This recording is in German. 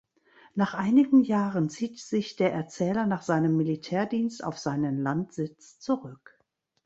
Nach einigen Jahren zieht sich der Erzähler nach seinem Militärdienst auf seinen Landsitz zurück.